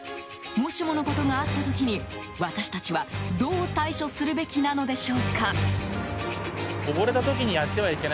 もしものことがあった時に私たちはどう対処するべきなのでしょうか。